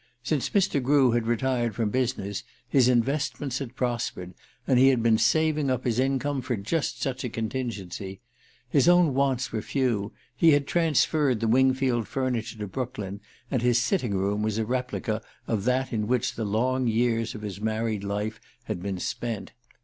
Since Mr. Grew had retired from business his investments had prospered, and he had been saving up his income for just such a contingency. His own wants were few: he had transferred the Wingfield furniture to Brooklyn, and his sitting room was a replica of that in which the long years of his married life had been spent.